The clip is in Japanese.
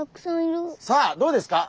さあどうですか？